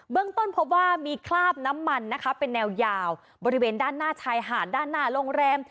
เบื้องต้นพบว่ามีขลาบน้ำมันเป็นแนวยาวบริเวณด้านในนี้ชายหาดด้านหน้าโรงแรม